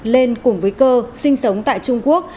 lên cùng với cơ sinh sống tại trung quốc